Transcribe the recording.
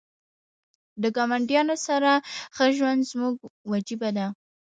د ګاونډیانو سره ښه ژوند زموږ وجیبه ده .